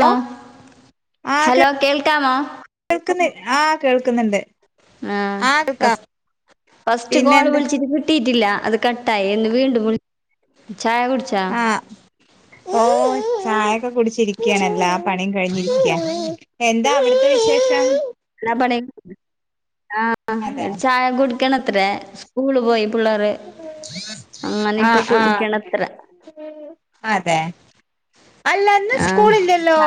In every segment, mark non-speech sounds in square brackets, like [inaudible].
Hello hello കേൾക്കാമോ കേൾക്കുന്ന്ല്ലെ ആ കേൾക്കുന്നുണ്ട് ആ ഫസ്‌ ഫസ്റ്റ് കോള് പിന്നെന്താ വിളിച്ചിട്ട് കിട്ടിട്ടില്ല അത് കട്ടായി എന്ന് വീണ്ടും വിൾ ചായ കുടിച്ചാ ആ ഓ ചായൊക്കെ കുടിച്ചിരിക്കാണ് എല്ലാ പണി കഴിഞ്ഞിരിക്ക എന്താ അവിടുത്തെ വിശേഷം എല്ലാ പണ ആ അതെ ചായ കുടിക്കണത്ര സ്കൂള് പോയി പിള്ളേർ ആ ആ അതെ അല്ലന്ന് ആ സ്കൂള്ല്ലല്ലോ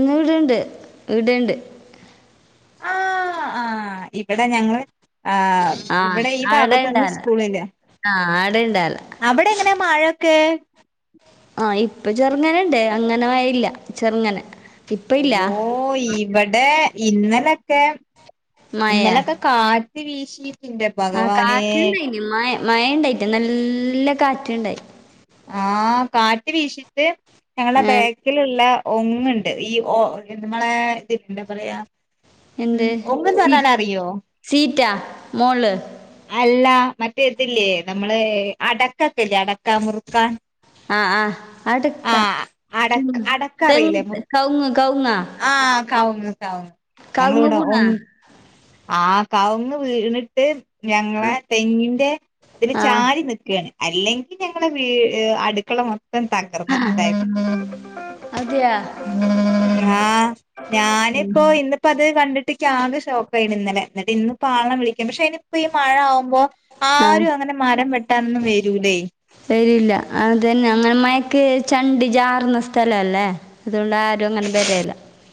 ഇ ഇവിടയണ്ട് ഇടെണ്ട് ആ ആ ഇവടെ ഞങ്ങള് ആ ആ വടെ ഈ ഭാഗത്തൊന്നും സ്കൂള്ല്ല അടണ്ടാല അവിടെ എങ്ങനാ മഴൊക്കെ ആ ഇപ്പൊ ചെറുങ്ങനണ്ട് അങ്ങനെ മഴല്ല ചെറുങ്ങനെ ഇപ്പൊ ഇല്ല അയ്യോ ഇവിടെ ഇന്നലൊക്കെ മഴ ഇന്നലൊക്കെ കാറ്റ് വീശീട്ടിന്റെ ആ കാറ്റുണ്ടായിന് മഴ മഴ ഉണ്ടായിറ്റ നല്ല കാറ്റുണ്ടായി ആ കാറ്റ് വീശിട്ട് ഞങ്ങടെ ബാ ഏഹ് ബേക്കിലുള്ള ഉങ്ങുണ്ട് ഈ മ്മളെ ഇതി എന്താ പറയാ ഒങ്ങന്ന് പറഞ്ഞാല അറിയോ സീറ്റ മോള് അല്ല മറ്റേതില്ലേ നമ്മള് അടക്കക്കല്ലേ അടക്കാ മുറുക്കാൻ ആ ആ അടക്ക ആഹ് അടക്ക അടക്ക തെങ് അറിയില്ലേ മുറുക്ക് കൗങ് കൗങ്ങ ആഹ് കവുങ്ങ് കവുങ്ങ് കൗങ്ങ്പുണ ആ കൗങ്ങ് വീണിട്ട് ഞങ്ങളെ തെങ്ങിന്റെ തില് ആഹ് ചാരി ന്ക്കാണ് അല്ലെങ്കിൽ ഞങ്ങളെ വീ അടുക്കള മൊത്തം തകർന്നിട്ടുണ്ടാരുന്നു അതെയാ ആ ഞാനിപ്പോ ഇന്നിപ്പോ അത് കണ്ടിട്ട്ക്ക് ആകെ ഷോക്കയിന് ഇന്നലെ ന്നിട്ട് ഇന്ന്പ്പാള വിളിക്കും പക്ഷെ അയിന് പ്പ ഈ മഴ ആകുമ്പോ ആഹ് ആരും അങ്ങനെ മരം വെട്ടാനൊന്നും വരൂല്ലേ വരില്ല അത് തന്നെ അങ്ങനെ മയക്ക് ചണ്ടി ചാർന്ന സ്ഥല അല്ലേ അതുകൊണ്ട് ആരും അങ്ങനെ വരല്ല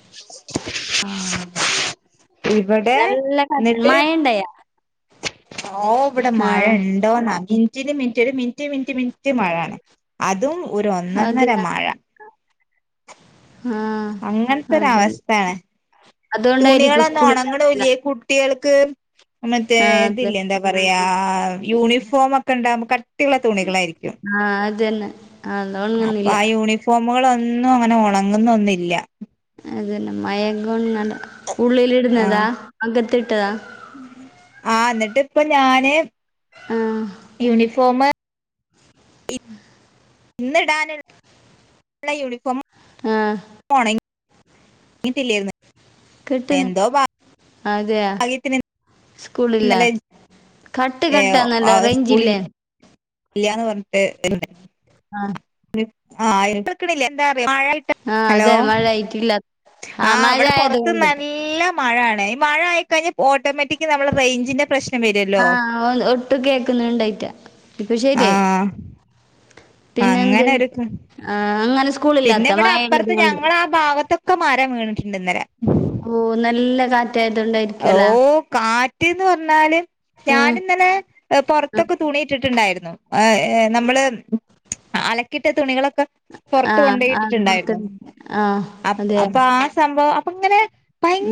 [unintelligible] ഇവടെ നല്ല കാറ്റ് ന്നട്ട് മഴ ഇണ്ടായാ ഓ വടെ ആഹ് മഴണ് ണ്ടോന്ന മിനിറ്റ്ന് മിനിറ്റ്ന് മിനിറ്റ് മിനിറ്റ് മിനിറ്റ് മഴ അതും ഒരു ഒന്നൊന്നര അതെയാ മഴ ആഹ് അതന്നെ അങ്ങൻത്തൊരവസ്ഥാണ് അതുകൊണ്ടായിരിക്കും തുണിയേളൊന്നു സ്കൂളില്ലാത്ത ഒണങ്ങ്ണുല്ല്യേ കു ട്ട്യേൾക്ക് മറ്റേ ആഹ് അതെ തില്ലേ എന്താ പറയാ യൂണിഫോമക്കെ ണ്ടാവുമ്പോ ക ട്ടിള്ള തുണികളായിരിക്കും ആ അതന്നെ അത് അപ്പൊ ഒണങ്ങുന്നില്ല ആ യൂണിഫോമുകളൊന്നും അങ്ങനെ ഒണങ്ങുന്നൊന്നില്ല അതല്ല മയങ്ങംണ്ട്ല്ല ഉള്ളിൽടുന്നതാ അകത്തി ഇട്ടതാ ആ ന്നിട്ട്പ്പ ഞാന് ആഹ് യൂണിഫോമ് ന്ന്ടാന് ള്ള യൂണിഫോമ് ആ പോണേ [unintelligible] ഇങ്ങട്ടല്ലായിരുന്നു കിട്ടുന്ന അതെയ ഭാഗ്യത്തിന് സ്കൂളില്ല ഇന്നലെ കട്ട് കട്ടാന്നല്ല റേഞ്ച്ല്ലേ ഇല്ലയന്ന് പറഞ്ഞിട്ട് ആഹ ആില്ല എന്താഴായിട്ട് ഹലോ ട്ടില്ല ആഹ് അവിടെ പുറത്ത്ന്ന് നല്ല മഴയ മഴ ആയഴിാൽ ഓട്ടോമാറ്റി നമ്മുടെ റേഞ്ചന്റെ പ്രശ്നം വരുല്ലോ ആഹ ഒട്ടും കേക്കുന്നു ഉണ്ടായിറ്റാ ഇപ്പൊ ശരിയ ആഹ് പിന്നെ എന്ത് അങ്ങനെ ഒരു അങ്ങനെ പിന്നെ സ്കൂളില്ലാത്ത ഇവിടെ മഴയുള്ളത് അപ്പുറത്ത് കൊണ്ട് ഞങ്ങ ആ ഭാഗത്തൊക്കെ മാറൻ വീണിട്ടുണ്ട് ഇന്നേരം ഓ നല്ല കാ ഓ കാറ്റ്ന്ന് പറഞ്ഞാല് ആഹ് ഞാാനിന്നലെ ആഹ് പൊറത്തൊക്കെ തുണി ട്ട്ട്ടുണ്ടായിരുന്നു ആ നമ്മള് അലക്കിട്ട തുണികളൊക്കെ പുറത്ത് കൊണ്ട ആഹ് ആഹ് പോയിട്ടിട്ടുണ്ടായിരുന്നു പുറത്തുണ്ട് ആഹ് അ അതെയ അപ്പൊ ആ സംഭവം അപ്പ ഇങ്ങനെ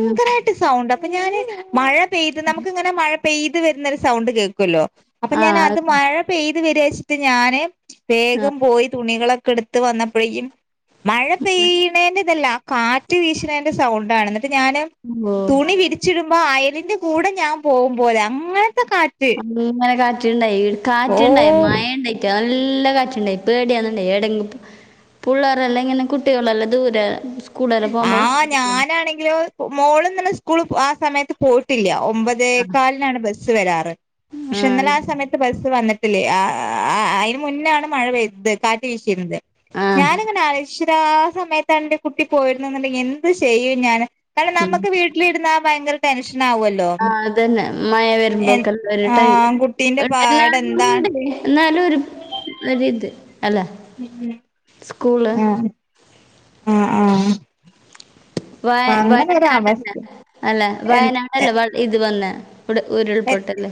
ഉം സൗണ്ട് അപ്പൊ ഞാന് മഴ പെയ്ത് നമുക്ക് ഇങ്ങനെ മഴ പെയ്ത് വരുന്നരു സൗണ്ട് കേൾക്കുമല്ലോ അപ്പൊ ഞാൻ ആഹ് അത് മഴ പെയ്തു വരക വെച്ചിട്ട് ഞാന് വേഗം പോയി തുണികളൊക്കെ എടുത്ത് വന്നപ്പോഴേും മഴ പെയ്യണേന്റെ ഇതല്ല കാറ്റ് വീശണേന്റെ സൗണ്ടാണ് എന്നിട്ട് ഞാാന് ഓഹ് തുണി വിരിച്ചിടുമ്പോ അയലിന്റെ കൂടെ ഞാൻ പോകുമ പോോലെ അങ്ങനത്തെ കാറ്റ് ഇങ്ങനെ കാട്ടിുണ്ടായി ഓ കാറ്റുണ്ടായി മഴ ഉണ്ടായിട്ടാ നല്ല കാറ്റുണ്ടായി ഇപ്പേടയാന്നണ്ട എടിപ്പോ പിള്ളേരെല്ലാം ഇങ്ങനെ കുട്ടികളെല്ലാം ദൂരെ സ്കൂളെല്ലാം പോകുമ്പോ ആഹ ഞാനാണെങ്കിലോ മോളന്നന്ന സ്കൂള് ആ സമയത്ത് പോയിട്ടില്ല ഒമ്പത് അ ആഹ് കാലാണ് ബ വരാറ് പക്ഷെ ഇ ആ സമയത്ത് ബസ്സ് വന്നിട്ടില്ലേ അതിന് മുന്നാണ് മഴ പെയ്തത് ഇ കാറ്റ് കീശിരുന്നത് ആഹ് ഞാനിങ്ങനെ ആലര ആ സമയത്ത് ഇന്റെ കുട്ടി പോയിരുന്നു എന്നുണ്ടെങ്കിൽ എന്ത് ചെയ്യും ഞാൻ കാരണം ഉം നമുക്ക് വീട്ടിലിടുന്നാ ഭയങ്കര ടെൻഷൻ ആാവുമല്ലോ ആഹ അതന്നെ മഴ വരുമ്പോക്കെ ടൈ ആഹ് കുട്ടീന്റെ പാട് എന്താണ് എല്ലാവുംണ്ട് എന്നാലും അല്ല ഇത് അല്ല ആഹ സ്കൂള് ആഹ ആഹ വയ വയനാട്ല്ല അവസ്ഥ അല്ല എൻ എ വയനാടല്ല ഇത് വന്ന ഇവിടെ എ ഉരുൾപൊട്ടല്ലേ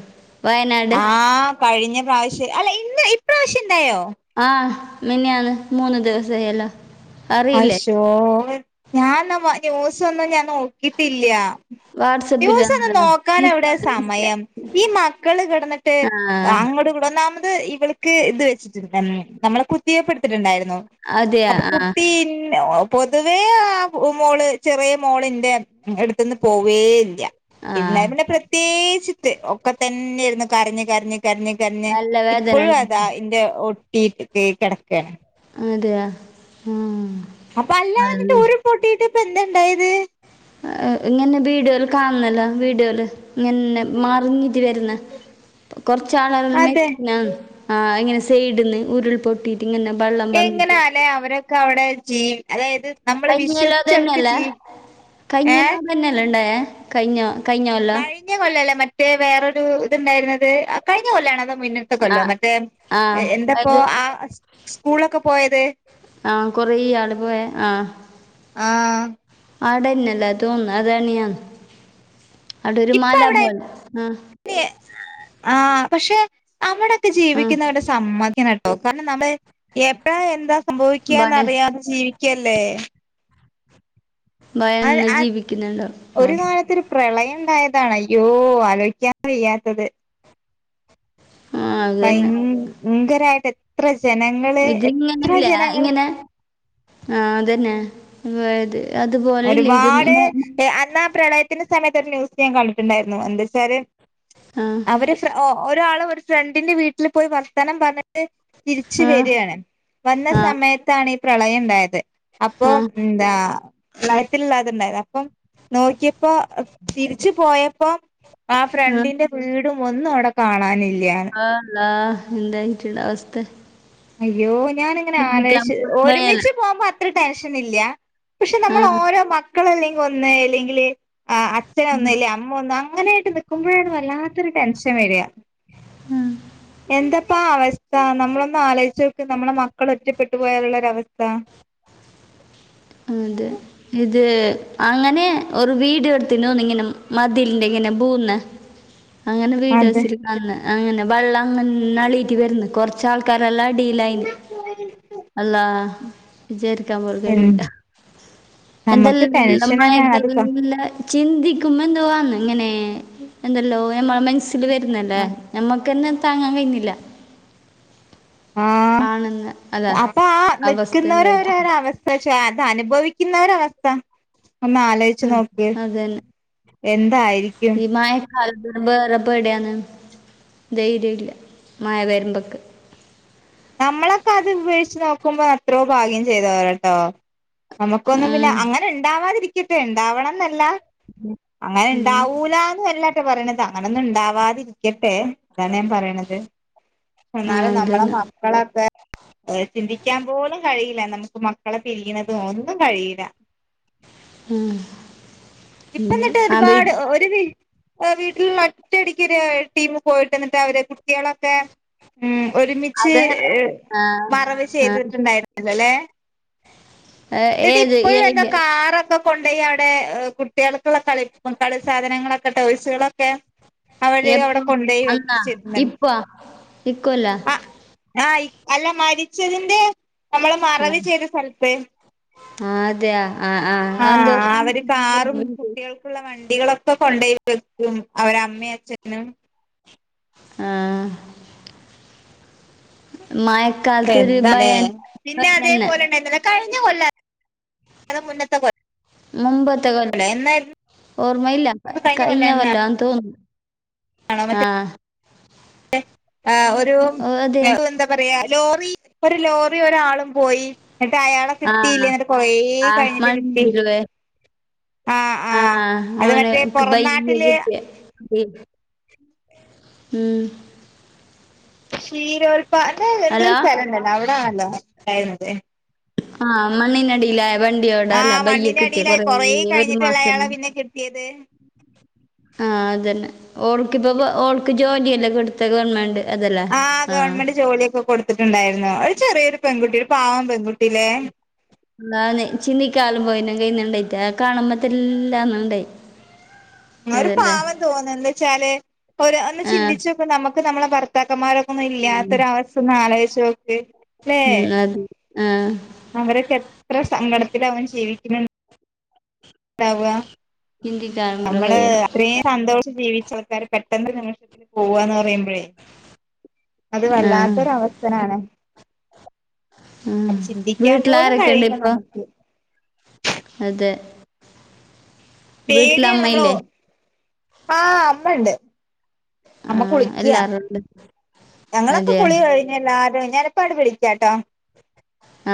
വയനാട് ആഹ് കഴിഞ്ഞ പ്രാവശ്യം അല്ല ഇന്ന് ഇപ്രാവശ്യം ഉണ്ടായോ ആഹ് മെനഞ്ഞാന്ന് മൂന്ന് ദിവസയല്ല അശോ ഞാൻന്ന ന്യൂസൊന്നും ഞാൻ നോക്കിട്ടില്ല വാട്സപ്പില് ന്യൂസ് ഒന്ന് വന്നതാ നോക്കൻ എവിടെ ഇൻസ്റ്റാണ് ഇൻസ്റ്റ സമയം ഈ മക്കള് കിടന്ന് റ്റ് ആ അങ്ങോട കൂടെ ഒന്നാമത് ഇവള ഇത് വെച്ചിട്ടു നമ്മളെ കുത്തിയെ പ എടുത്തിട്ടുണ്ടായിരുന്നു അതെയാ അപ്പൊ ആ പിന്നെ പൊതുവേ ആ മോള് ചെറിയ മോളിന്റെ അടുത്തന്ന് പോവേ ഇല്ല ആ ഇത്യ്മന്റെ പ്രത്യേകിത്ത് ഒക്കെ തന്നെയായിരുന്നു കരഞ് കരഞ്ഞ കറിഞ്ഞ് കറിഞ്ഞ് നല്ല വേദന ഇപ്പോഴും ഉണ്ട് അതാ ഇന്റെ ഒട്ടിട്ട് കിടക്കയാണ് അതെയ ഉ അപ്പൊ അല്ലാ എന്നിട്ട് ഊരു പൊട്ടിട്ട് ഇപ്പൊ എന്ത ഉണ്ടായത് ഇങ്ങനെ വീഡിയോൽ കാണുന്നല്ലോ വീഡിയോൽ അങ്ങെ മറിഞ്ഞിട്ട് വരുന്ന കൊറച്ചാള അതെ മെച്ചന ആ ഇങ്ങനെ സൈഡിൽ നിന്ന് ഉരുൾപൊട്ടിട്ട് ഇങ്ങനെ വള്ളം വന്ന് പിന്നെ അവരൊക്കെ അവിടെ ചെയും അതായത് നമ്മള് കൈഞ്ഞല്ലോ വിശ്വസിച്ച് അവർക്ക് തന്നെയല്ലേ ജീ ഏഹ് കൈഞ്ഞെല്ലോ തന്നെ അല്ലണ്ടായേ? കഴഞ്ഞ കഴിഞ്ഞോല്ലോ പിറ്റെ കൊല്ലല്ലേ മറ്റേ വേറൊരു ഇതുണ്ടായിരുന്നത് കഴിഞ്ഞ കൊല്ലണോ അതോ മുന്നത്തെ ആ ക്കല്ലോ മറ്റേ ആ എന്തപ്പോ അത് ആ സ്കൂളൊക്കെ പോയത് ആ കൊറെ ആള് പോയ ആ ആഹ് ആടെന്നല്ല അതും അതാണ് ഞാൻ അവിട ഒരു മലാ പോലെ ആ പക്ഷെ അവിടൊക്കെ ആ ജീവിക്കുന്നവരുടെ സമ്മതിക്കണം ട്ടോ കാരണം നമ്മള് എപ്പഴാ എന്താ ഭയ സംഭവിക്കുകന്നറിയാതെ ജീവിക്കല്ലേ ഭയന്ന് ജീവിക്കുന്നുണ്ടാവും പ്രളയണ്ടായതാണ് അയ്യോ ആലോയിക്കാൻ വയ്യാത്തത് ആ അത് തന്നെ ഭയങ്കരായിട്ട് എത്ര ജനങ്ങള് എത്ര ഇതിങ്ങനെയില്ലേ ജനങ്ങള് ഇങ്ങനെ ആ അതന്നെ [unintelligible] അതുപോലെല്ലേ ഇത് എന്നാ ആ പ്രളയത്തിന്റെ സമയത്ത് ഒരു ന്യൂസ് ഞാൻ കണ്ടിട്ടുണ്ടായിരുന്നു എന്താച്ചാല് ആഹ് അവര് ഒരാള് ഒരു ഫ്രണ്ടിന്റെ വീട്ടിൽ പോയി വർത്താനം പറഞ്ഞ തിരിച്ച് ആ വരാണ് വന്ന ആ സമയത്താണ് ഈ പ്രളയം ഉണ്ടായത്. അപ്പൊ ആ ന്താ നയത്തി ല്ലാത്ണ്ടായതാ നോക്കിയപ്പോ തിരിച്ച് പോയപ്പം ആ ഫ്രണ്ടിന്റെ, വീടും ഒന്നും അവിടെ കാണാനില്യന്ന് ആഹ് അള്ളാ എന്തായിരിക്കും ലെ അവസ്ഥ. അയ്യോ ഞാാനിങ്ങനെ ചിന്തിക്കാൻ ആലോചിച്ച് പോലും കഴിയല്ല ഒരുമിച്ച് പോകുമ്പോ അ അത്ര ടെൻഷൻ ഇല്യ പക്ഷെ ആ നമ്മൾ ഓരോ മക്കളല്ലെങ്കിൽ ഒന്ന് അല്ലെങ്കിൽ അ അച്ഛനൊന്നുല്ല അമ്മ ഒന്നും അങ്ങനെയായിട്ട് നൽക്കുമ്പോഴാണ് വല്ലാത്തൊരു ടെൻഷൻ വര. ഉം. എന്താപ്പാ അവസ്ഥ നമ്മളൊന്ന് ആലോചിച്ച് നോക്ക് നമ്മളെ മക്കൾ ഒറ്റപ്പെട്ടു പോയാലുള്ളൊരവസ്ഥ. ഉം അതേ. ഇത് അങ്ങനെ ഒരു വീഡിയോ എടുത്തിന്നു ഇങ്ങനെ മതിലിന്റെ ഇങ്ങനെ പോവുന്ന. [inaudible] അങ്ങനെ അതെ വീഡിയോസിൽ കാണ്ന്ന അങ്ങനെ വെള്ളം അങ്ങനെ അളീക്ക്‌ വര്ന്ന് കൊറച്ചാ ൾക്കാരെല്ലാടീലായ്ന് അല്ലാഹ് വിചാരിക്കൻപോലും ഉം. കഴില്ല. എന്തെൽ നമുക്ക് ടെൻഷൻ തന്നെയാണ് അത് [unintelligible] ചിന്തിക്കുമ്പ എന്തുവാ ങ്ങനെ എന്തല്ലോ നമ്മള മനസ്സ്ൽ വര്ന്നല്ലേ നമ്മക്കന്നെ താങ്ങാൻ കഴിന്നില്ല. ആഹ് കാണുന്ന അതാ അപ്പൊ ആ അവസ്ഥ എന്തായിട്ട് നിക്കുന്നവരരര അവസ്ഥ. പക്ഷേ അത് അനുഭവിക്കുന്നവരെ അവസ്ഥ ഒന്നാലോയ് ച്ച് ഉം നോക്ക്, അതന്നെ എന്തായിരിക്കും [unintelligible] പേടിയാണ് ധൈര്യല്ല മഴ വരുമ്പോക്ക്‌ നമ്മളൊക്കെ അത് ഉപേക്ഷിച്ച് നോക്കുമ്പോ അത്രോ ഭാഗ്യം ചെയ്തവരട്ടോ. നമുക്കൊന്നും പിന്നെ ഉം അങ്ങനെ ഉണ്ടാവാതിരിക്കട്ടെ. ഉണ്ടാവണന്നല്ല അങ്ങനെ ഉം. ണ്ടാവൂലന്നല്ലട്ട പറയണത് അങ്ങനൊന്നും ഇണ്ടാവാതിരിക്കട്ടെ. അതാണ് ഞാപറയണത് ആ എന്നാലേ നമ്മളെ അതന്നെ മക്കളൊക്കെ ചിന്തിക്കാൻ പോലും കഴിയില്ല നമുക്ക് മക്കളെ പിരിയാണതും ഒന്നും കഴിയില്ല. ഉം. ഇപ്പ ഉം. എന്നിട്ട് ആ വീട് ഒരുപാട് ഒരുവി വീട്ടിൽ ഒറ്റടിക്കൊരു ടീം പോയിട്ടന്നിട്ട് അവര് കുട്ടികളൊക്കെ ഉം ഒരുമിച്ച് അത് ഏ ആ മറവ് ആ ചെയ്തിട്ടുണ്ടായിരുന്നല്ലല്ലെ ഏ- എന്നിട്ട് ഏത് ഇപ്പഴും ഏ- എന്താ ഇല്ല കാറോക്കെ കൊണ്ടോയി അവിടെ കുട്ടികൾക്കുള്ള കളി കളി സാധനങ്ങളൊക്കെ ടോയിസുകളൊക്കെ അവര് അവിടെ എപ്പോ കൊണ്ടോയി അന്നാ വെിച്ചിരുന്ന ഇപ്പൊ ഇക്കൊല്ല ആ ആഹ് അല്ല മരിച്ചതിന്റെ നമ്മളെ മറവ് ചെയ്ത സ്ഥലത്ത് ആഹ് അതെയ ആഹ് ആഹ് അതെന്തുവാ അവര് കാറും [unintelligible] കുട്ടികൾക്കുള്ള വണ്ടികളൊക്കെ കൊണ്ടുപോയി വെക്കും അവര അമ്മയും അച്ഛനും ആഹ് മായ പ്പ എന്താല്ലെ പിന്നെ അതേപോലെന്നെ ഇന്നലെ കഴിഞ്ഞ കൊല്ല കാലം മുന്നത്തെ കൊല്ല മുമ്പത്തെ കൊല്ലം ഓർമ്മയില്ല കഴിഞ്ഞ കൊല്ലാന്ന് തോന്നുന്നു ആണമത്തെ ആ [unintelligible] അഹ് ഒരു ഓ, അതെ [unintelligible] പറയാ ലോറി ഒരു ലോറി ഒരാളും പോയി എന്നിട്ട് അയാളെ ആ കിട്ടിയില്യ എന്നിട്ട് കൊറേ ആ കഴിഞ്ഞിട്ട് കിട്ടി മണ്ണിടിവ് ആഹ് ആ ആഹ് അത് മറ്റേ പുറനാട്ടില് ഉ ഉം ക്ഷീരോൽപ്പ അല്ലെ എന്തോ ഒരു അലോ സ്ഥലംണ്ടല്ലോ അവിടാണല്ലോ ഉണ്ടായിരുന്നത് ആഹ് മണ്ണിനടില്ലായ വണ്ടിയോടല്ല ആഹ് ബയ്യ മണ്ണിന്റെ കിട്ടിയ അടിയിലായി കൊറ കൊറേ ഒരു കഴിഞ്ഞിട്ടല്ലേ മാസം അയാളെ പിന്നെ കിട്ടിയത് ആഹ് അതതന്നെ ഓൾക്കിപ്പോ ഓൾക്ക് ജോലിയല്ലേ കൊടുത്ത ഗവൺമെന്റ് ആ ഗവൺമെന്റ് ജോലിയൊക്കെ കൊടുത്തിട്ടുണ്ടായിരുന്നു ഒരു ചെറിയൊരു പെൺകുട്ടി ഒരു പാവം പെൺകുട്ടില്ലെ അ ചിന്തിക്കാലും പോയി കന്നണ്ടായിട്ട കാണുമ്പത്തല്ലാന്ന ഇണ്ടായി ഒരു പാവം തോന്നും എന്താച്ചാല് ഒന്ന് ഒര് ആ ചിന്തിച്ചൊക്കെ നമുക്ക് നമ്മളെ ഭർത്താക്കന്മാരൊ ന്നും ഇല്ലാത്തൊരവസ്ഥ ഒന്ന് ആലോച്ച് നോക്കിയേ ഉം അതെ ആഹ് അവരൊക്കെ എത്ര സങ്കടത്തിലാവും ജീവിക്കുന്നു ണ്ടാവ്വാ ചിന്തിക്കാലും പോലെ നമ്മള് കഴിയണം അത്രേം സന്തോഷിച്ച് ജീവിച്ചാൾക്കാര് പെട്ടെന്നൊരു നിമിഷ പോവാന്ന് പറയുമ്പോഴേ അത് ആ വല്ലാത്തൊര അവസ്ഥനാണ് ആ അത് ചിന്തിക്കാൻ പോലും വീട്ടിലാരൊക്കെ ഉണ്ട് കഴിയില്ല ഇപ്പൊ നമുക്ക് അതെ പേടിയാണ് നമ്മള് ഓ വീട്ടിലമ്മയില്ലേ ആഹ് അമ്മണ്ട് ആ അമ്മ കുളിക്കാ എല്ലാവരും ഉണ്ട് ഞങ്ങളൊക്കെ അതെയാ കുളി കഴി ഞ്ഞെല്ലാരും ഞാനിപ്പാങ്ങട്ട് വിളിക്കാട്ടോ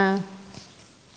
ആഹ്